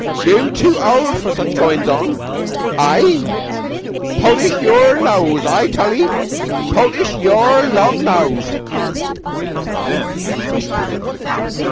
Yeu'm tu old for such goin's on. Aie! Poultice yeour nose, I tall 'ee! Poultice yeour long nose!" Beetle's heart leaped up within him.